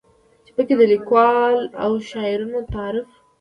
چې پکې د ليکوالو او شاعرانو تعارف